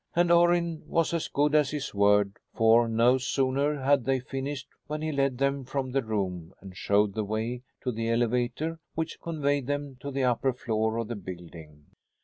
And Orrin was as good as his word, for, no sooner had they finished when he led them from the room and showed the way to the elevator which conveyed them to the upper floor of the building.